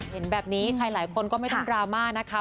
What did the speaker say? เห็นแบบนี้ใครหลายคนก็ไม่ต้องดราม่านะคะ